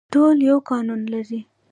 ټول یو قانون لري